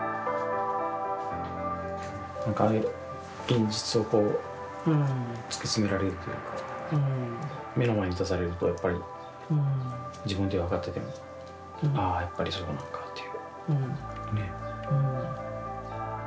現実を、突き詰められるというか、目の前に出されると、やっぱり、自分では分かってても、ああ、やっぱりそうなんかというね。